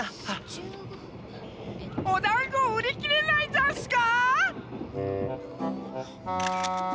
おだんごうりきれないざんすか！？